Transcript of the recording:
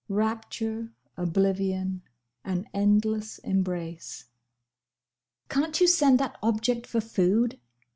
Rapture. Oblivion. An endless embrace. "Can't you send that object for food?"